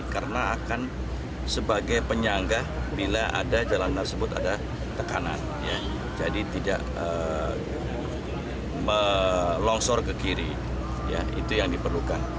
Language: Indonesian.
karena akan sebagai penyanggah bila ada jalan tersebut ada tekanan jadi tidak melongsor ke kiri itu yang diperlukan